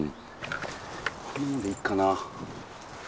こんなんでいいかな。